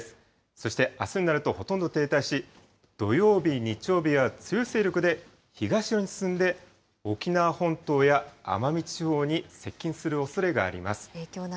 そしてあすになるとほとんど停滞し、土曜日、日曜日は強い勢力で東寄りに進んで、沖縄本島や奄美地方に接近するおそれがあります。